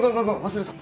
忘れてた！